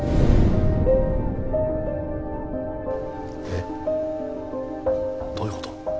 えっどういう事？